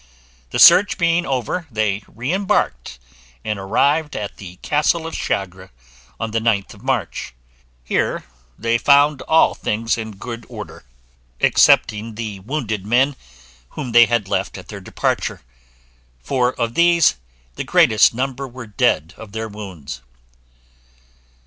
The search being over, they re embarked, and arrived at the castle of Chagre on the 9th of March. Here they found all things in good order, excepting the wounded men whom they had left at their departure; for of these the greatest number were dead of their wounds.